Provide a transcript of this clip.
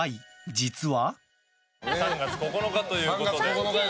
実は。